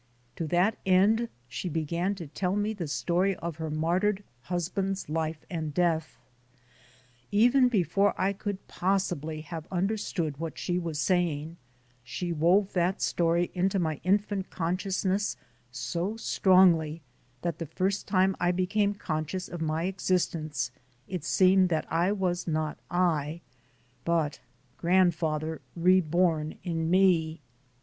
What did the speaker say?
To that end she began to tell me the story of her martyred husband's life and death. Even before I could possibly have understood what she was saying, she wove that story into my infant 12 THE SOUL OF AN IMMIGRANT consciousness so strongly that the first time I be came conscious of my existence it seemed that I was not I, but grandfather re born in me.